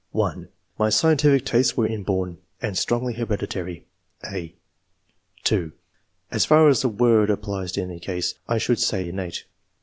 (1) "My scientific tastes were inborn" [and strongly hereditary], (a) (2) " As far as the word applies in any case, I should say decidedly innate.